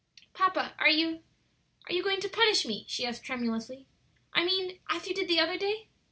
"Papa, are you are you going to punish me?" she asked, tremulously. "I mean as you did the other day?"